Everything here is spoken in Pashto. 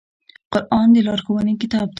قرآن د لارښوونې کتاب دی